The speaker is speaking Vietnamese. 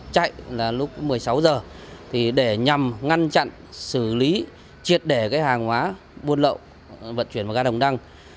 chạy là lúc một mươi sáu giờ để nhằm ngăn chặn xử lý triệt để hàng hóa buôn lậu vận chuyển vào ga đồng đăng